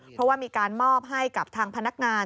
เพราะว่ามีการมอบให้กับทางพนักงาน